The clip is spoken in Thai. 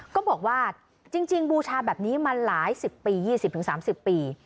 ก็บอกว่าจริงบูชาแบบนี้มาหลายสิบปี๒๐๓๐ปี